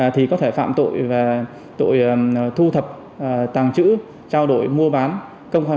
thì có thể phạm tội và tội thu thập tàng trữ trao đổi mua bán